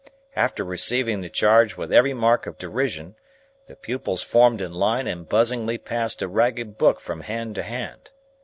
After receiving the charge with every mark of derision, the pupils formed in line and buzzingly passed a ragged book from hand to hand.